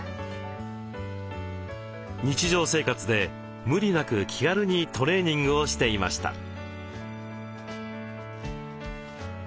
日常生活で無理なく気軽にトレーニングをしていました。